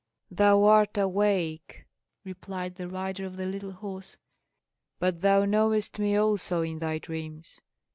"Thou art awake," replied the rider of the little horse, "but thou knowest me also in thy dreams.